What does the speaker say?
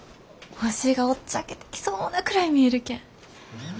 星がおっちゃけてきそうなくらい見えるけん。